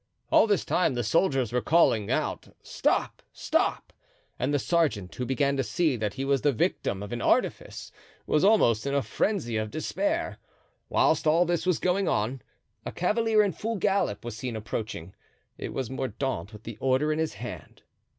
All this time the soldiers were calling out, "Stop! stop!" and the sergeant, who began to see that he was the victim of an artifice, was almost in a frenzy of despair. Whilst all this was going on, a cavalier in full gallop was seen approaching. It was Mordaunt with the order in his hand.